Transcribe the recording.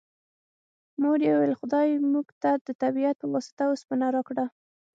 مور یې وویل خدای موږ ته د طبیعت په واسطه اوسپنه راکړه